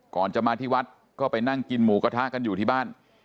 ก่อนจะมาที่วัดก็ไปนั่งกินหมูกระทะกันอยู่ที่บ้าน